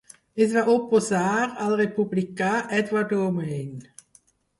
Es va oposar al republicà Edward Romaine.